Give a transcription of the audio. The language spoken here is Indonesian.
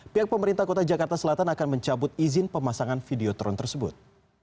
pihak pemerintah kota jakarta selatan akan mencabut izin pemasangan videotron tersebut